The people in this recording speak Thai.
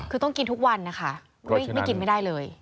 คือต้องกินทุกวันนะคะไม่กินไม่ได้เลย